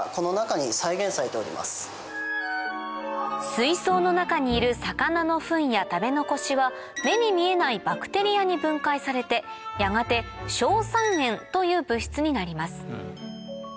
水槽の中にいる魚のフンや食べ残しは目に見えないバクテリアに分解されてやがて硝酸塩という物質になります